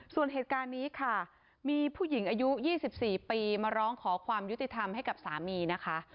ส่วนเหตุการณ์นี้ค่ะมีผู้หญิงอายุ๒๔ปีมาร้องขอความยุติธรรมให้กับสามีนะคะ